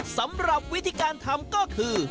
สำหรับวิธีการทำก็คือ